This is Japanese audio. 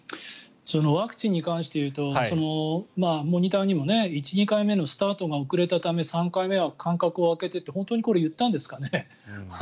ワクチンに関して言うとモニターにも１、２回目のスタートが遅れたため３回目は間隔を空けてって本当に言ったんですかね。